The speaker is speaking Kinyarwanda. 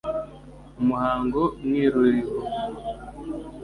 umuhango mywuriho.